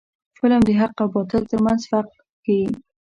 فلم د حق او باطل ترمنځ فرق ښيي